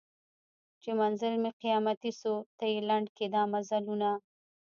چي منزل مي قیامتي سو ته یې لنډ کي دا مزلونه